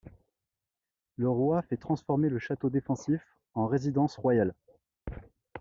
Le roi fait transformer le château défensif en résidence royale.